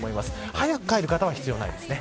早く帰る方は必要ないですね。